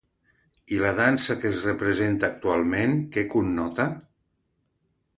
I la dansa que es representa actualment, què connota?